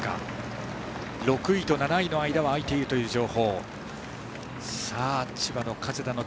６位と７位の間は開いているという情報。